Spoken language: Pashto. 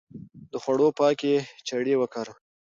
د خوړو پاکې چړې وکاروئ.